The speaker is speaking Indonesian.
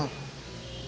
faktor yang lebih normal